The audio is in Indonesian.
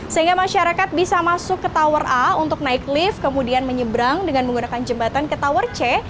sehingga masyarakat bisa masuk ke tower a untuk naik lift kemudian menyeberang dengan menggunakan jembatan ke tower c